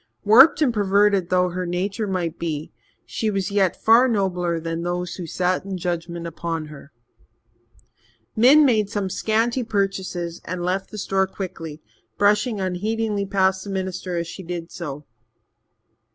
Warped and perverted though her nature might be, she was yet far nobler than those who sat in judgement upon her. Min made some scanty purchases and left the store quickly, brushing unheedingly past the minister as she did so.